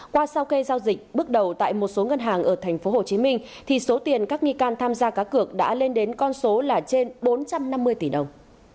qua sau cây giao dịch bước đầu tại một số ngân hàng ở tp hcm thì số tiền các nghi can tham gia cá cược đã lên đến con số là trên bốn trăm năm mươi tỷ đồng